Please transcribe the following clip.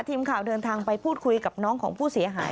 ทีมข่าวเดินทางไปพูดคุยกับน้องของผู้เสียหาย